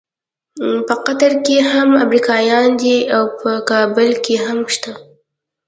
په قطر کې هم امریکایان دي او په کابل کې هم شته.